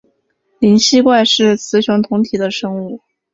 灵吸怪是雌雄同体的生物。